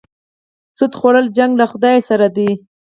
سود خوړل جنګ له خدای سره دی.